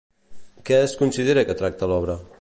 Què es considera que tracta l'obra?